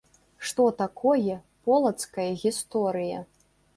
Што такое полацкая гісторыя?